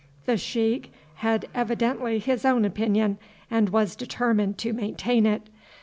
The sheik had evidently his own opinion and was determined to maintain it.